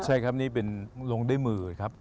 ใช่ครับนี่เป็นลงด้วยมือครับ